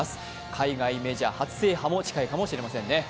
海外メジャー初制覇も近いかもしれませんね。